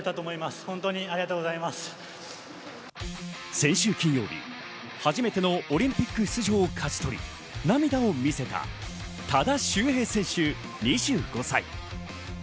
先週金曜日、初めてのオリンピック出場を勝ち取り涙を見せた多田修平選手、２５歳。